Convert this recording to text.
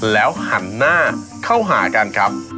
แล้วหันหน้าเข้าหากันครับ